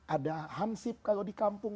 ada hansip kalau di kampung